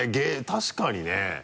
確かにね。